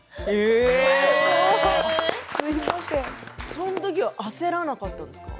その時は焦らなかったんですか？